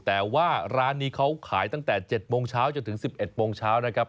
แต่ว่าร้านนี้เขาขายตั้งแต่๗โมงเช้าจนถึง๑๑โมงเช้านะครับ